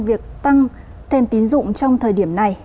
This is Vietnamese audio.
việc tăng thêm tiến dụng trong thời điểm này